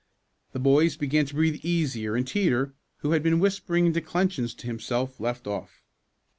The boys began to breathe easier and Teeter, who had been whispering declensions to himself, left off.